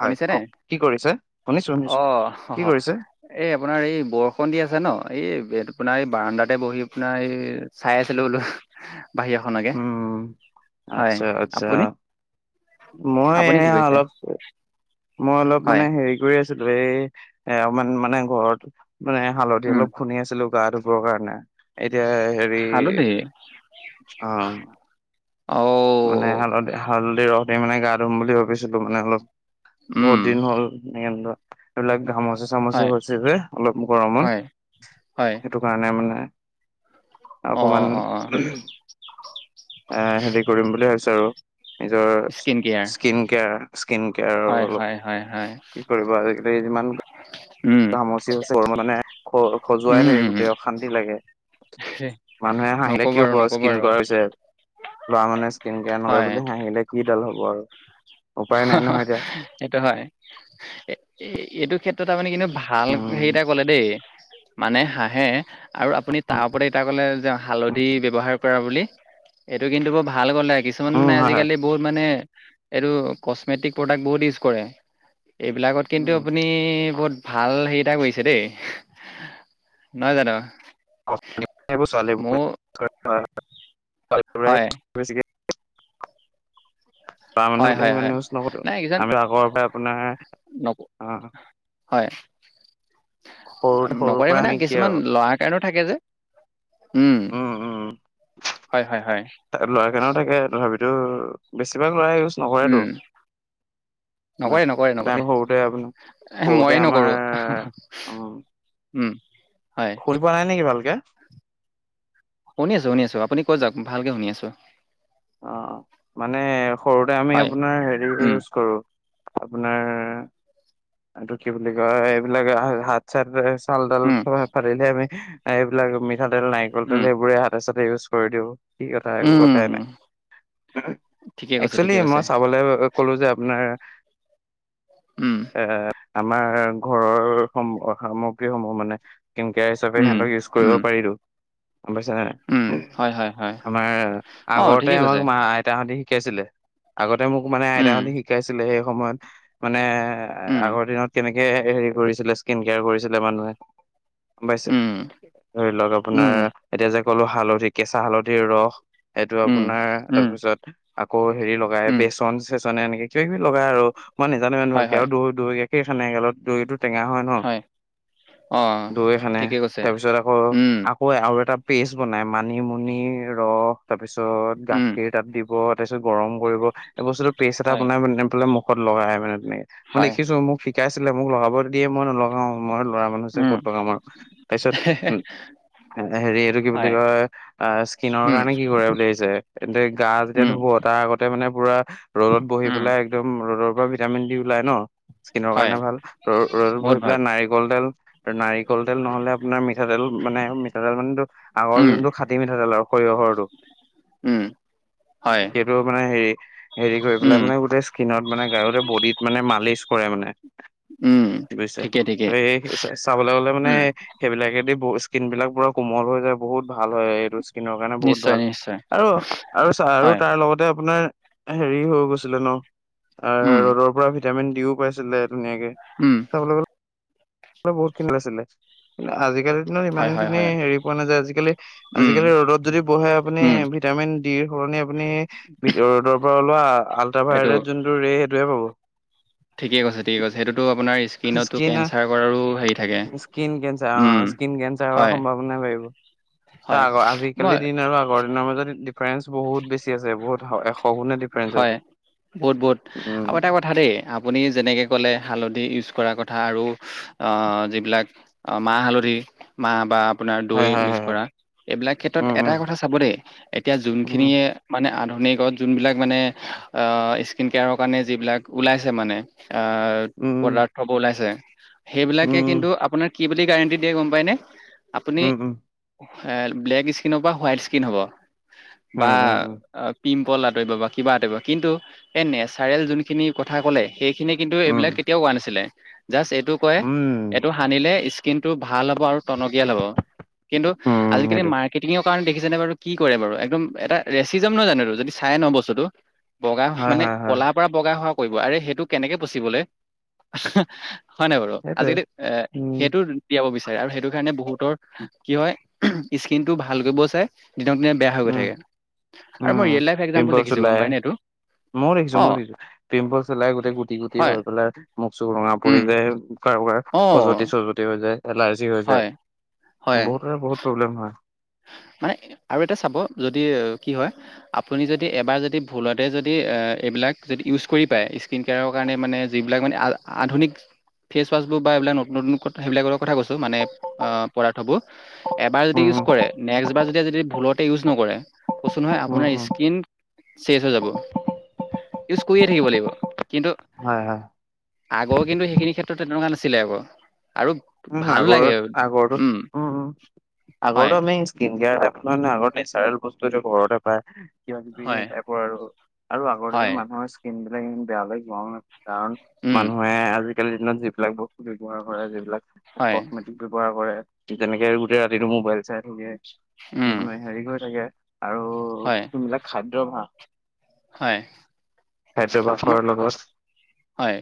হয়, শুনিছেনে? কওক কি কৰিছে শুনিছো, শুনিছো অ', কি কৰিছে? এই আপোনাৰ এই বৰষূণ দি আছে ন। এই আপোনাৰ এই বাৰাণ্ডাতে বহি আপোনাৰ এই চাই আছিলো, বোলো বাহিৰৰাখনকে। উম হয় আচ্ছা আচ্ছা আপুনি, মই আপুনি কি এয়া কৰিছে? অলপ মই অলপ হয়, মানে হেৰি কৰি আছিলো, এই এ অকমান মানে ঘৰত মানে হালধি উম, অলপ খুন্দি আছিলো গা ধুবৰ কাৰণে। এতিয়া হেৰি খালোঁ দেই। অ'। মানে অ', হালধি, হালধি ৰস দি মানে গা ধুম বুলি ভাবিছিলো মানে অলপ উম, বহুত দিন হ'ল এইবিলাক ঘামচ মচি-চামচি হয়, হৈছে যে অলপ গৰমত, হয়, হয়। সেইটো কাৰণে মানে। অ', অকমান অ', অ', এ, হেৰি কৰিম বুলি ভাবছো আৰু। নিজৰ স্কিন, কেয়াৰ স্কিন কেয়াৰ হয়, অলপ। হয়, হয়, হয়, কি কৰিব আজিকালি যিমান [unintelligible] ঘামচি হৈছে, গৰমত মানে খ-খজুৱাই উম, থাকে উম, উম। গোটেই অশান্তি লাগে। মানুহে হাঁহিলে নক'ব কি আৰু হব নক'ব স্কিন আৰু, কৰাছে। ল'ৰা মানুহে স্কিন কেয়াৰ নকৰে বুলি হাঁহিলে কিডাল হ'ব আৰু। উপায় হা, নাই হা নহয় এতিয়া সেইটো হয় এ-এইটো ক্ষেত্ৰত আপুনি কিন্তু ভাল হেৰি এটা উম কলে দেই। মানে হাঁহে আৰু আপুনি তাৰ ওপৰত এতিয়া কলে যে হালধি বব্যৱহাৰ কৰে বুলি। এইটো কিন্তু বৰ ভাল কলে, উম কিছুমানে হয় হয় আজিকালি বহুত মানে এইটো কচমেটিক প্ৰডাক্ট বহুত ইউজ কৰে, এইবিলাকত কিন্তু উম আপুনি বহুত ভাল হেৰিটা কৰিছে দেই, নহয় জানো? সেইবোৰ ছোৱালী মোৰ হয় [inaudible] তাৰ মানুহ হয় বিলাক হয় হয় ইমান ইউজ নকৰো, নাই কিছুমান আমি আগৰ পৰা আপোনাৰ নক অ', হয়, সৰুতে সৰুৰ নকৰে পৰা মানে আমি কি কিছুমান আৰু ল'ৰাৰ কাৰণেও থাকে যে। উম, উম হয় হয় হয় ল'ৰা কাৰনে থাকে তথাপিও। এইটো বেছিভাগ লৰাই ইউজ উম নকৰেটো। নকৰে, নকৰে, নকৰে। আপোনাৰ সৰুতে ময়ে আমাৰ নকৰো উম, হয় শুনি পোৱা নাই নেকি ভালকে? শুনি আছোঁ, শুনি আছোঁ আপুনি কৈ যাওক ভালকে শুনি আছো অ', মানে সৰুতে আমি হয় আপোনাৰ হেৰি উম ইউজ কৰো আপোনাৰ এইটো কি বুলি কয় এইবিলাক [unintelligible] হাত চাত [unintelligible] চালতাল উম ফা ফাটিলে আমি এইবিলাক মিঠাতেল, নাৰিকল উম তেল এইবোৰে হাতে চ ইউজ কৰি দিওঁ। কি কথা একোঁ কথাই নাই। উম, ঠিকে কৈছে, একচুৱেলি ঠিকে কৈছে। মই চাবলে ক'লো যে নোৱাৰা উম, এ', আমাৰ ঘৰৰ সম সামগ্ৰীসমূহ মানে কী [unintelligible] কেয়াৰ হিচাপে উম, সিহঁতক ইউজ কৰিব উম, পাৰিতো গম পাইছা নাই, উম, হয়, হয়, হয়। আমাৰ অ', আগতে ঠিকে আমাক কৈছে। মা আইতা হঁতি শি শিকাইছিলে। আগতে মোক মানে উম, আইতাহঁতি শিকাইছিলে সেই সময়ত মানে এ' উম, আগৰ দিনত কেনেকে হেৰি কৰিছিলে স্কিন কেয়াৰ কৰিছিলে মানুহে উম পাইছে, ধৰি লওক আপোনাৰ উম, এতিয়া যে ক'লো হালধি কেঁচা হালধিৰ ৰস। এইটো উম, আপোনাৰ উম, তাৰপিছত আকৌ হেৰি লগাই উম, বে ইচন চেচনে এনেকে কিবাকিবি লগাই আৰু মই নেজানো ইমান ভাল হয়, কে হয়, দৈ গাখীৰ সানে গালত। দৈটো টেঙা হয় ন অ', দৈ সানে। ঠিকে কৈছে। তাৰপিছত আকৌ উম, আকৌ আৰু এটা পেষ্ট বনাই মানিমুনি ৰস তাৰ পিছত উম, গাখীৰ তাত দি ব তাৰিছত গৰম কৰিব। এই বস্তুটো পেষ্ট এটা হয়, বনাই মানে পেলে মুখত লগাই মানে তেনেকে মই হয়, দেখিছোঁ মোক শিকাইছিলে মোক লগাব দিয়ে মই নলগাওঁ মই ল'ৱা মানুহ যে উম, ক'ত লগাম আৰু তাইছত উ হে হেৰি এইটো কি বুলি হয়, কয় আ- স্কিনৰ উম, কাৰণে কি কৰে বুলি ভাবিছে হেন্তে গা যেতিয়া ধু উম, হ'ব। তাৰ আগতে মানে পুৰা ৰ'দত বহি উম, পেলাই একদম ৰ'দৰ পৰা ভিটামিন ডি ওলাই ন স্কিনৰ হয়, কাৰণে ভাল। ৰ-ৰ'দত বহুত বহি ভাল। পেলাই নাৰিকল তেল ত নাৰিকল তেল নহ'লে আপোনাৰ মিঠাতেল মানে মিঠাতেল মানে টো আগৰ উম, যোনটো খাটি মিঠাতেল আৰু সৰিয়হৰটো। উম। হয়, সেইটো মানে হেৰি, হেৰি কৰি পেলাই উম, মানে গোটেই স্কিনত মানে গায়তে বডিত মানে মালিচ কৰে মানে। উম, বুইছে। ঠিকে, ঠিকে। ত' এই চা- চাবলৈ গলে মানে উম, সেইবিলাকেদি ব স্কিনবিলাক পুৰা কোমল হৈ যায় বহুত ভাল হয় এইটো। স্কিনৰ কাৰণে বহুত নিশ্চয়, ভাল। নিশ্চয়, আৰু আৰু ছা আৰু হয়, তাৰ লগতে আপোনাৰ হেৰি হৈ গৈছিলে ন উম, আৰু ৰ'দৰ পৰা ভিটামিন ডিও পাইছিলে ধুনীয়াকে। উম, [unintelligible] [unintelligible] বহুত খিনি [unintelligible] আছিলে, কিন্তু আজিক কালি দিনত ইমান হয়, হয়, খিনি হয়, হেৰি পোৱা নাযায়। আজিকালি উম, আজিকালি ৰ'দত যদি বহে আপুনি উম, ভিটামিন [unintelligible] সলনি আপুনি ভিডি ৰ'দৰ পৰা ওলোৱা আল্ট্ৰা এইটো ভাইৰেট যোনটো ৰে' সেইটোহে পাব। ঠিকে কৈছে ঠিকে কৈছে। সেটোটো আপোনাৰ স্কিনতো স্কিনা কেঞ্চাৰ কৰাৰো হেৰি থাকে স্কিন কেঞ্চাৰ উম অ, স্কিন কেঞ্চাৰ হোৱাৰ হয় সম্ভাৱনা বাঢ়িব। ত' হয় আগ মই আজিকালি দিন আৰু আগৰ দিনৰ মাজত ডিফাৰেঞ্চ বহুত বেছি আছে, বহুত হ এশ গুণে ডিফাৰেঞ্চ হয় আছে। বহুত বহুত আৰু উম। এটা কথা দেই। আপুনি যেনেকে ক'লে হালধি ইউজ [unintelligible] কথা আৰু আ' যিবিলাক আ মাহ হালধি, মাহ বা আপোনাৰ দৈ হয় হয় ইউজ হয় হয়। কৰা। এইবিলাক ক্ষেত্ৰত উম এটাই উম কথা চাব দেই এতিয়া যোনখিনিয়ে মানে আন ধুনিকত যোনবিলাক মানে অ' স্কিন কেয়াৰ কাৰণে যিবিলাক ওলাইছে মানে আ' উম পদাৰ্থ বোৰ ওলাইছে। উম সেইবিলাকে কিন্তু আপোনাৰ কি বুলি গাৰেণ্টি দিয়ে গম পাই নে? উ উ। এ, ব্লেক স্কিন পা হোৱাইট স্কিন হ'ব উম উম উম বা- উম পিম কল আঁতৰিব বা কিবা আঁতৰিব। কিন্তু এই নেচাৰেল যোনখিনি কথা ক'লে সেইখিনি কিন্তু এইবিলাক কেতিয়াও হোৱা নাছিলে। জাষ্ট এইটো কয়, উম উম এইটো সানিলে স্কিনটো ভাল হ'ব আৰু টনকিয়াল হ'ব। কিন্তু উম আজিকালি সেইটোৱে মাৰ্কেটিঙৰ কাৰণে দেখিছেনে বাৰু কি কৰে বাৰু একদম এটা ৰেচিজম নহয় জানো যদি চাই ন বস্তুতটো বগা হয় মানে হয় হয়। ক'লাৰ পৰা বগা হোৱা কৰিব সেইটো কেনেকে পচিবলহে হয় নাই বাৰু সেইটোৱে আজিকালি এ উম সেইটো দিয়াব বিচাৰে আৰু সেইটো কাৰণে বহুতৰ কি হয় স্কিন টো ভালক কৰিব চাই দিনক দিনে বেয়া হৈ গৈ উম থাকে। আৰু মই উম ৰিয়েল লাইফ একজাম্পুল পিম্পলছ দেখিছো ওলাই গম পাই নাই এইটো ময়ো দেখিছো অ মই দেখিছো পিম্পলচ ওলাই গোটেই গুটি গুটি হয় হৈ পেলাই মুখ চুখ ৰঙা পৰি উম যায় কাৰোবাৰ অ খজুৱতি চজুৱতি হৈ যায় এলাৰ্জি হৈ যায় হয় বহুতৰে বহুত প্ৰব্লেম হয়। উ [unintelligible] মানে আৰু এটা চাব যদি কি হয় আপুনি যদি এবাৰ যদি ভুলতে যদি এ বিলাক যদি ইউজ কৰি পায় স্কিন কেয়াৰৰ কাৰণে মানে যিবিলাক মানে আধুনিক ফেচ ৱাছবোৰ বা এইবিলাক নতুন নতুন সেইবিলাকৰ কথা কৈছো মানে পদাৰ্থ বোৰ এবাৰ যদি উম ইউজ উম কৰে নেক্স বাৰ যদি যদি ভুলতে ইউজ নকৰে কচোন নহয় উম আপোনাৰ উম স্কিন শেচ হৈ যাব ইউজ কৰিয়ে থাকিব লাগিব, কিন্তু হয়, হয়। আগৰ কিন্তু সেইখিনি ক্ষেত্ৰত তেনেকুৱা নাছিলে আকৌ আৰু উম ভালো আগৰ লাগে আগৰো উম, উম হয় আগৰটো আমি ইন্ডিয়াৰ আগতে নো নেচাৰেল বস্তু এইটো ঘৰতে পায় কিবা কিবি হয় টাইপৰ আৰু আৰু আগৰ দিনৰ হয় মানুহৰ স্কিন বিলাক ই বেয়ালৈ যোৱা নাই কাৰণ উম মানুহে আজিকালিৰ দিনত যিবিলাক বস্তু ব্যৱহাৰ কৰে যিবিলাক হয় কচমেটিক ব্যৱহাৰ কৰে ঠিক তেনেকে গোটেই ৰাতিটো মোবাইল চাই উম থাকে ম হেৰি কৰি থাকে আৰু হয় সিবিলাক খাদ্যভাস ভাল হয়। খাইছে ভাস্কৰ মোৰ লগত হয়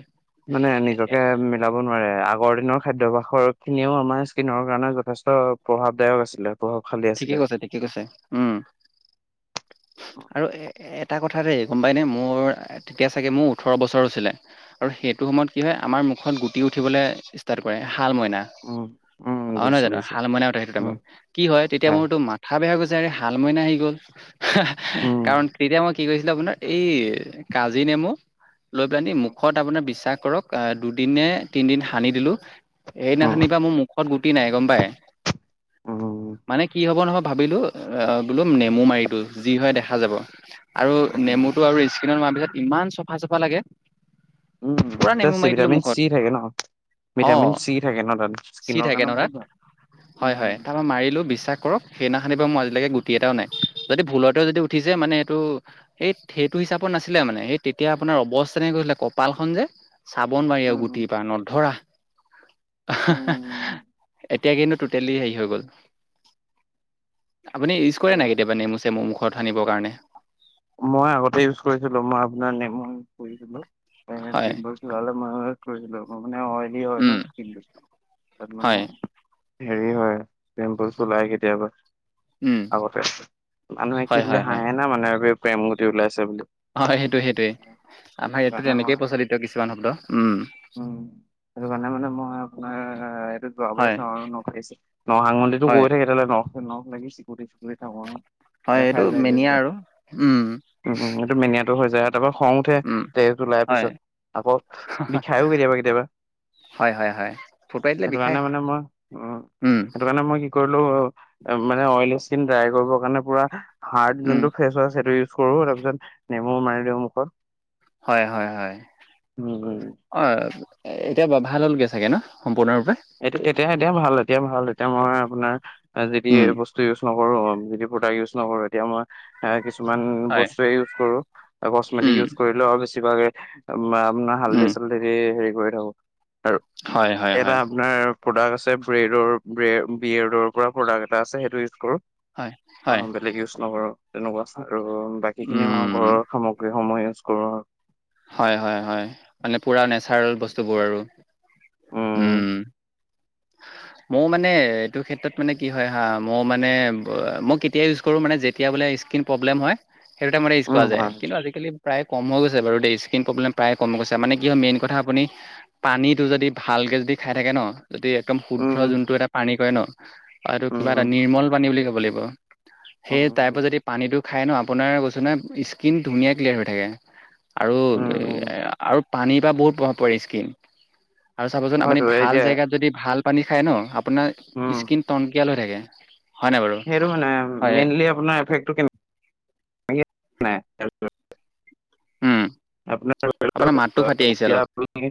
মানে নিজকে মিলাব নোৱাৰে আগ আগৰ দিনৰ খাদ্যভাসৰখিনিও আমাৰ স্কিনৰ কাৰণে যথেষ্ট প্ৰভাৱদায়ক আছিলে। প্ৰভাৱশালী ঠিকে আছিলে। কৈছা, ঠিকে কৈছা, উম আৰু এ এটা কথা দেই গম পাইনে মোৰ তেতিয়া চাগে মোৰ ওঠৰ বছৰ হৈছিলে, আৰু সেইটো সময়ত কি হয় আমাৰ মুখত গুটি উঠিবলৈ ষ্টাৰ্ট কৰে শাল মইনা উম, উম, অ', নহয় বুজিছো জানো বুজিছো, শাল মইনা উঠে উম, কি হয় তেতিয়া মোৰ তো মাথা [unintelligible] শাল মইনা আহি গ'ল উম। কাৰণ তেতিয়া মই কি কৰিছিলে আপোনাৰ এই কাজি নেমু লৈ পেলানি উম, মুখত আপোনাৰ বিশ্বাস কৰক অ', দুদিন নে তিনদিন সানি দিলো উম, এইদিনাখনিৰ পৰা মোৰ মুখত গুটি নাই গম পাই। মানে কি হব নহব ভাবিলো অ', বোলো নেমু মাৰি দিয়ো যি হয় দেখা যাব। আৰু উম, নেমুটো আৰু স্কিনত মোৱাৰ পিছত ইমান চফা চাফা লাগে উম, পুৰা নেমু মাৰি দিলো ভিটামিন মুখত চি থাকে ন। অ ভিটামিন চি থাকে ন, তাত চি স্কিনৰ থাকে কাৰণে ন তাত বহুত ভাল। হয়, হয় উম, তাৰপৰা মাৰিলো বিশ্বাস কৰক সেইদিনাখনানি বাৰু মোৰ আজিলৈকে গুটি এটাও নাই যদি ভুলতেও যদি উঠিছে মানে এইটো এই সেইটো হিচাপত নাছিলে মানে সেই তেতিয়া আপোনাৰ অৱস্থা নে গৈছিলে কপালখনন যে চাবোন মাৰি আৰু উম, গুটি পৰা নধৰা উম, এতিয়া কিন্তু টুটেলি হেৰি হৈ গ'ল। আপুনি ইউজ কৰে নাই তা- কেতিয়াবা নেমুচেমু মোৰ মুখৰত সানিবৰ কাৰণে মই আগতে ইউজ কৰিছিলো মই আপোনাৰ নেমু পুছিলো হয় পিম্পলচ ওলালে [unintelligible] মানে অইলি হয় ন উম স্কিনটো কিন্তু তাৰ হয় মানে হেৰি হয় পিম্পলচ ওলাই কেতিয়াবা। উম আগতে আ মানুহে কি হয় বুলি হয় হয় হাঁহে না মানে প্ৰেম গুটি ওলাইছে বুলি। হয় সেইটোয়ে সেইটোৱেই। আমাৰ ইয়াতো সেইকাৰণে মই তেনেকেই প্ৰচলিত কিছুমান শব্দ উম। উম। সেইটো কাৰণে মানে মই আপোনাৰ এইটো যোৱাবলৈ হয় চাওঁ আৰু ন খিছে ন' সাংউলি হয় গৈ থাকো তেতিয়াললে ন লগ লাগি চিকো দে। গৈ থাকোঁ অ'। হয় এফ এইটো আই ভাইৰাছ মেনিয়া যে, আৰু উম উম, উম, হেইটো মেইনাত ত' হৈ যায়, তাৰপা খং উঠে উম তেচ জুলাইৰ হয় পিছত আকৌ। বিষায়ও কেতিয়াবা কেতিয়াবা। হয় হয় ফুট সেইটো কাৰণে মানে মই উ, সেইটো কাৰণে মই কি কৰিলোঁ মানে অইল স্কিন ড্ৰাই কৰিবৰ কাৰনে পোৰা হাৰ্ড উম জোনটো ফেছৱাছ হেইটো ইউচ কৰোঁ তাৰপিছত নেমু মাৰি দিও মুখত। হয় হয় হয়। উম, অই এতিয়া ভাল হ'লগে চাগে ন' সম্পূৰ্ণৰূ এতিয়া-এতিয়া এতিয়া ভাল এতিয়া ভাল এতিয়া মই আপোনাৰ আজিপি উম এই বস্তু ইউজ নকৰো, যি প্ৰডাক্ট ইউজ নকৰো এতিয়া মই এ, কিছুমান হয় বস্তুৱে ইউজ কৰোঁ। কচমেটিক উম ইউজ কৰিলে আৰু বেছিভাগে আপোনাৰ হাল্ধি উম চাল্দি দি হেৰি কৰি থাকোঁ। হয় হয় হয়। আৰু প্ৰডাক্ট আছে ব্ৰেইডৰ ব্ৰে-বিয়েৰ পৰা প্ৰডাক্ট এটা আছে সেইটো ইউজ কৰোঁ। হয় আ, হয় বেলেগ ইউজ নকৰোঁ, তেনেকুৱা আৰু বাকীখিনি আমাৰ উম ঘৰৰ সামগ্ৰী। সময় ইউজ কৰোঁ আৰু। হয় হয় হয় মানে পুৰা নেচাৰেল বস্তুবোৰ আৰু। উম। মই মানে এইটো ক্ষেত্ৰত মানে কি হয় হা, মই মানে মই কেতিয়া ইউজ কৰোঁ মানে যেতিয়া বোলে স্কিন প্ৰব্লেম হয়ে হেইটো টাইমতে ইউজ কৰা উম যায়, হয় কিন্তু আজিকালি প্ৰায় কম হৈ গৈছে বাৰু দেই স্কিন প্ৰব্লেম প্ৰায় কম হৈ গৈছে, মানে কি হয় মেইন কথা আপুনি পানীটো যদি ভাল লিগেলকে দি খাই থাকে ন যদি একদম শুদ্ৰ উম উম যোনটো এটা পানী কৰে ন' এইটো উম কিবা এটা উম নিৰ্মল পানী বুলি ক'ব লাগিব। উম সেই টাইপৰ যদি পানীটো খাই ন' আপোনাৰ কৈছোঁ ন' স্কিন ধুনীয়া ক্লিয়াৰ হৈ থাকে। আৰু উম উম আৰু পানীৰপা বহুত প্ৰভাৱ পৰে স্কিন। আৰু চাবচোন আপুনি হয়তো ভাল এতিয়া জেগাত যদি ভাল পানী খায় ন' আপোনাৰ উম স্কিন টনকিয়াল হৈ থাকে। হয় নাই বাৰু সেইটো মানে হয় মেইনলি আপোনাৰ এফেক্টো নাই তাৰপিছত উম, আপোনাৰ মাতটো ফাটি আহিছে এতিয়া অলপ। আপুনি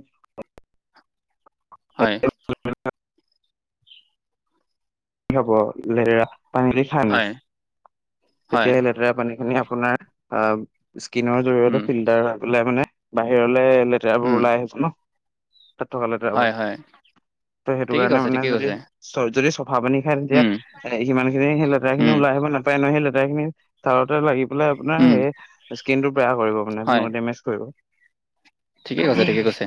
হয়। কি হ'ব লে পানী লৈ খাই না? হয় হয় তেতিয়া এই লেতেৰা পানীখিনি আপোনাৰ আ, স্কিনৰ জৰিয়তে উম ফিল্টাৰ হৈ পেলাই মানে বাহিৰলৈ লেতেৰাবোৰ উম ওলাই আহিছে ন'? তাত থকালৈ লেতেৰা হ'ব। হয় হয় ত' সেইটো ঠিকেই কাৰণে কৈছে মানে ঠিকেই যদি কৈছে চ যদি ভাত পানী খাই তেতিয়া উম এ, সিমানখিনি সেই লেতেৰাখিনি উম ওলাই আহিব নাপায় নহয়, সেই লেতেৰাখিনি চাৰতে লাগি বোলা আপোনাৰ উম হেৰি স্কিনটো বেয়া কৰিব মানে হয় ল' ডেমেজ কৰিব। ঠিকেই কৈছে। ঠিকে কৈছে।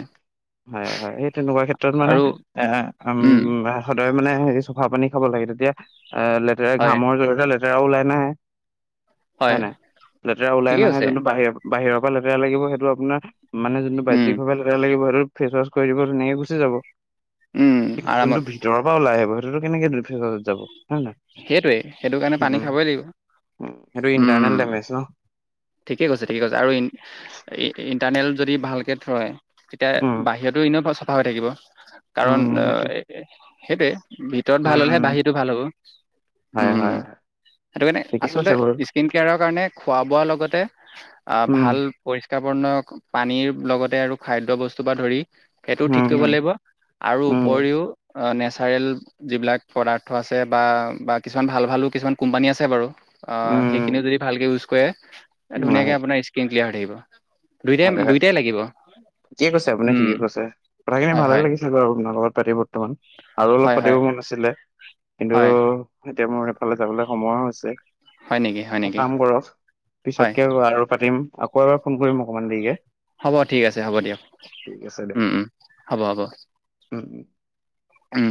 হয় হয়। সেই তেনেকুৱা ক্ষেত্ৰত মানে আৰু এ, উম, সদায় মানে হেৰি চফা পানী খাব লাগে, তেতিয়া এ, লেতেৰা হয় ঘামৰ জৰিয়তে লেতেৰাও ওলাই নাহে। হয় নাই? লেতেৰা ওলাই ঠিকেই নাহে কৈছে যোনটো বাহিৰ বাহিৰৰ পৰা লেতেৰা লাগিব সেইটো আপোনাৰ মানে যোনটো উম বাইজ্জিক বাবে লেতেৰা লাগিব সেইটো ফেছৱাছ কৰি দিব ধুনীয়াকে গুচি যাব। উম যোনটো আৰামত ভিতৰৰ পৰা ওলাই আহিব সেইটো কেনেকে দুৰ্গেশ্বত যাব? হয় নাই সেইটোৱেই। সেইটো কাৰণে উম পানী খাবই লাগিব। উম সেইটো ইণ্টাৰনেল উম, ডেমেজ ন ঠিকে কৈছে। ঠিকে কৈছে। আৰু ইন ইন্টাৰনেল যদি ভালকে থয় তেতিয়া উম বাহিৰতো এনেও চাফা হৈ থাকিব। কাৰণ উম সেইটোৱে সেইটে ভিতৰত ভাল হ'লেহে উম বাহিৰতো ভাল হ'ব। হয় উম, হয় হয় সেইটো কাৰণে ঠিকেই আচলতে কৈছে বাৰু স্কিন কেয়াৰৰ কাৰণে খোৱা বোৱাৰ লগতে আহ উম ভাল পৰিষ্কাৰপন্ন পানীৰ লগতে আৰু খাদ্য বস্তু পৰা ধৰি সেইটোও ঠিক উম কৰিব লাগিব আৰু উম উম উপৰিও নেচাৰেল যিবিলাক পদাৰ্থ আছে বা বা কিছুমান ভাল ভালো কিছুমান কোম্পানী আছে বাৰু সেইখিনিও যদি ভালকৈ ইউজ কৰে উম হয় ধুনীয়াকে হয় আপোনাৰ স্কিন ক্লিয়াৰ হৈ থাকিব দুইটাই হয় হয়। দুইটাই লাগিব ঠিকে কৈছে আপুনি উম, ঠিকে কৈছে কথাখিনি হয় ভালে হয় লাগিছিল বাৰু আপোনাৰ লগত পাতি বৰ্তমান আৰু হয় অলপ হয় পাতি মন আছিলে কিন্তু হয়। এতিয়া মোৰ সফালে যাবলৈ সময় হৈছে। হয় নেকি হয় এটা নেকি কাম কৰক হয় পিছতকে আৰু পাতিম আকৌ এবাৰ ফোন কৰিম অকমান দেৰিকে হ'ব ঠিক আছে হ'ব দিয়ক ঠিক আছে দিয়ক মম হ'ব হ'ব উম উম উম।